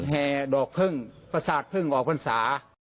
แฮดอกเพิ่งประสาทเพิ่งออกฝรรษา